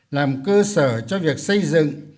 làm cơ sở cho việc xây dựng